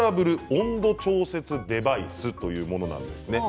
温度調節デバイスというものなんです。